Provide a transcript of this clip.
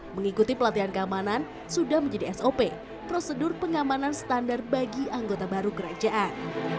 mengikuti pelatihan keamanan sudah menjadi sop prosedur pengamanan standar bagi anggota baru kerajaan